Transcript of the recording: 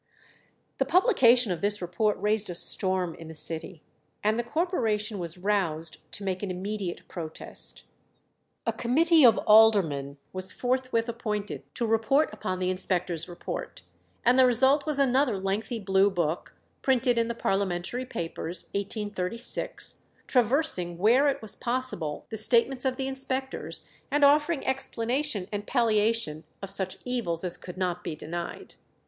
The publication of this report raised a storm in the city, and the corporation was roused to make an immediate protest. A committee of aldermen was forthwith appointed to report upon the inspectors' report, and the result was another lengthy blue book, printed in the parliamentary papers, 1836, traversing where it was possible the statements of the inspectors, and offering explanation and palliation of such evils as could not be denied.